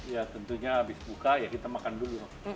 ya tentunya habis buka ya kita makan dulu